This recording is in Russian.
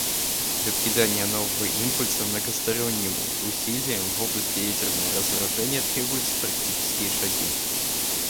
Для придания нового импульса многосторонним усилиям в области ядерного разоружения требуются практические шаги.